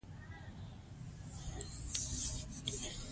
موږ باید له تېروتنو درس واخلو.